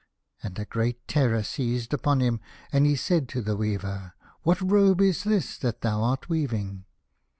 And a great terror seized upon him, and he said to the weaver, " What robe is this that thou art weaving